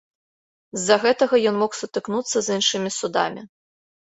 З-за гэтага ён мог сутыкнуцца з іншымі судамі.